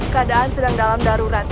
keadaan sedang dalam darurat